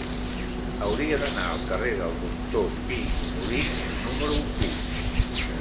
Hauria d'anar al carrer del Doctor Pi i Molist número u.